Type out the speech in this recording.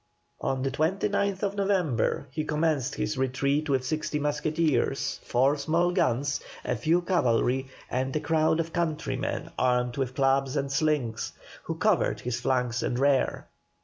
On the 29th November he commenced his retreat with sixty musketeers, four small guns, a few cavalry, and a crowd of countrymen armed with clubs and slings, who covered his flanks and rear.